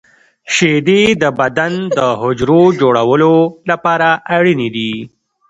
• شیدې د بدن د حجرو د جوړولو لپاره اړینې دي.